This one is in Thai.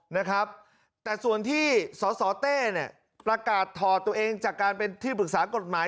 นะครับแต่ส่วนที่สสเต้เนี่ยประกาศถอดตัวเองจากการเป็นที่ปรึกษากฎหมาย